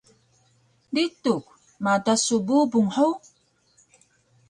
Lituk: Madas su bubung hug?